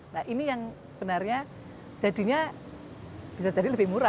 nah ini yang sebenarnya jadinya bisa jadi lebih murah